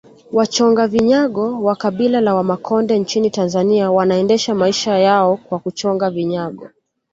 Wachonga vinyago wa kabila la Wamakonde nchini Tanzania wanaendesha maisha yao kwa kuchonga vinyago